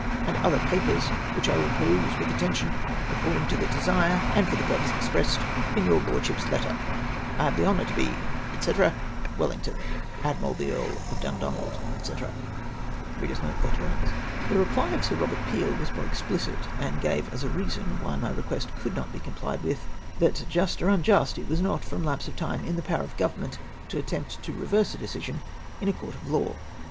and other papers, which I will peruse with atten tion according to the desire and for the jiurpose expressed in your Lordship's letter. " I have the honour to he, &c. " Wellington. " Admiral the Earl of Diuidonald, &c." The reply of Sir Robert Peel was more explicit, and KEFUSAL TO EE INVESTIGATE MY CASE. 327 gave as a reason why my request could not be com plied with, that just, or unjust, it was not, from lapse of time, in the power of the Government to attempt to reverse a decision in a court of law.